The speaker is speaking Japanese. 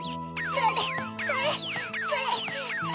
それそれそれ！